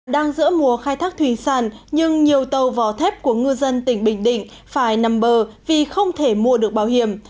đang giữa mùa khai thác thủy sản nhưng nhiều tàu vỏ thép của ngư dân tỉnh bình định phải nằm bờ vì không thể mua được bảo hiểm